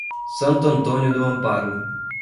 Santo Antônio do Amparo